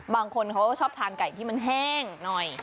บางคนเขาก็ชอบทานไก่ที่มันแห้งหน่อย